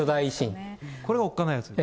これがおっかないやつ。